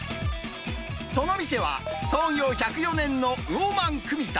その店は、創業１０４年の魚万汲田。